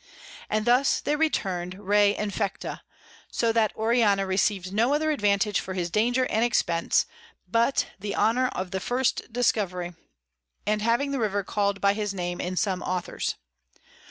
And thus they return'd re infecta: so that Orellana receiv'd no other Advantage for his Danger and Expence, but the Honour of the first Discovery, and having the River call'd by his name in some Authors.